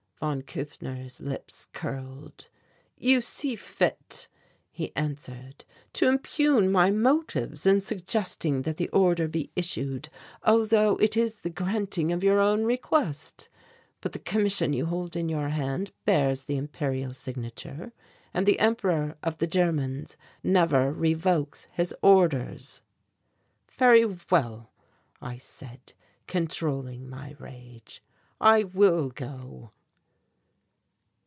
Von Kufner's lips curled. "You see fit," he answered, "to impugn my motives in suggesting that the order be issued, although it is the granting of your own request. But the commission you hold in your hand bears the Imperial signature, and the Emperor of the Germans never revokes his orders." "Very well," I said, controlling my rage, "I will go."